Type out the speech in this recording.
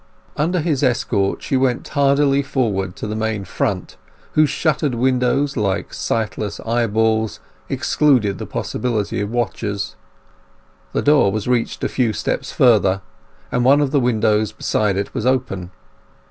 Under his escort she went tardily forward to the main front, whose shuttered windows, like sightless eyeballs, excluded the possibility of watchers. The door was reached a few steps further, and one of the windows beside it was open.